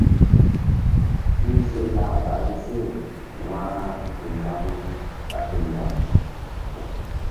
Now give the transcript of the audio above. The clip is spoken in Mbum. Suhze lah ɓahri se wa̧hra ke mbaki ɓa fe mgba̧m.